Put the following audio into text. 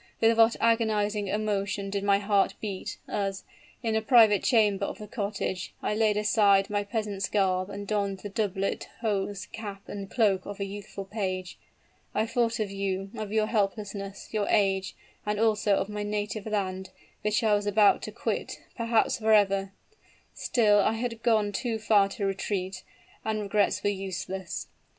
with what agonizing emotion did my heart beat, as, in a private chamber of the cottage, I laid aside my peasant's garb and donned the doublet, hose, cap and cloak of a youthful page. I thought of you of your helplessness your age, and also of my native land, which I was about to quit perhaps forever! Still I had gone too far to retreat, and regrets were useless.